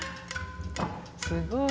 すごい。